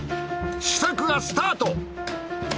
試作がスタート。